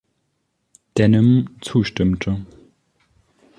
Denim" zustimmte.